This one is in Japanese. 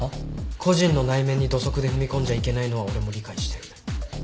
個人の内面に土足で踏み込んじゃいけないのは俺も理解してる。